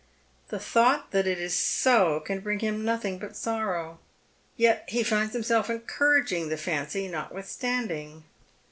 The thought that it is so can bring him nothing but sorrow ; yet he finds himself encouraging the fancy not withstanding.